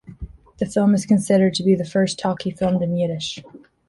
The film is considered to be the first talkie filmed in Yiddish.